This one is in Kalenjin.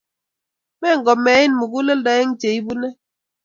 Mengomein muguleldo eng' chei bune.